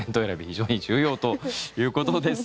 非常に重要ということです。